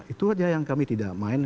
itu saja yang kami tidak main